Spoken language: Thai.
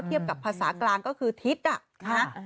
เทียบกับภาษากลางก็คือทิตย์